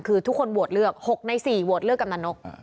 คือทุกคนโหวตเลือก๖ใน๔โหวตเลือกกำนันนก